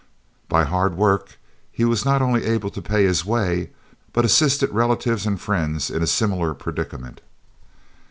By hard work he was not only able to pay his way, but assisted relatives and friends in a similar predicament.